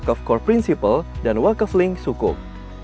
dan wakaf core principle dan wakaf link sukuk